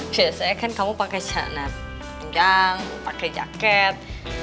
biasanya kan kamu pakai cara pendang pakai jaket